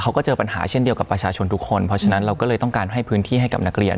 เขาก็เจอปัญหาเช่นเดียวกับประชาชนทุกคนเพราะฉะนั้นเราก็เลยต้องการให้พื้นที่ให้กับนักเรียน